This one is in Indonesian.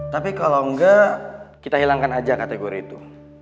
tapi kalau enggak kita hilangkan aja kategori itu